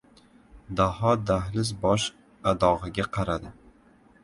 Daho dahliz bosh-adog‘iga qaradi.